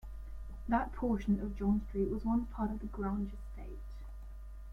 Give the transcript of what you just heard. That portion of John Street was once part of the Grange estate.